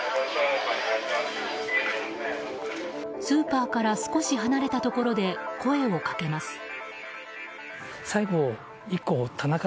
スーパーから少し離れたところで声をかけます。